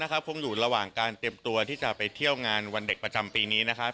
คงอยู่ระหว่างการเตรียมตัวที่จะไปเที่ยวงานวันเด็กประจำปีนี้นะครับ